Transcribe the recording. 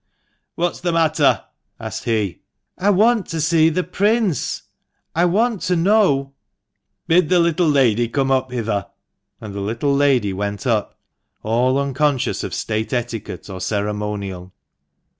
"What's the matter?" asked he. " I want to see the Prince. I want to know "' Bid the little lady come up hither." And the little lady went up, all unconscious of state etiquette or ceremonial.